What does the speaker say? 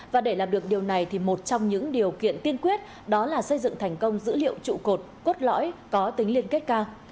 và để làm được điều này thì một trong những điều kiện tiên quyết đó là xây dựng thành công dữ liệu trụ cột cốt lõi có tính liên kết cao